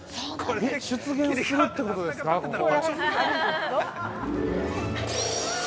◆出現するってことですか、ここ。